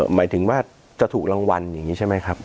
หมายถึงว่าจะถูกรางวัลอย่างนี้ใช่ไหมครับ